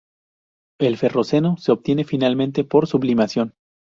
El ferroceno se obtiene finalmente por sublimación.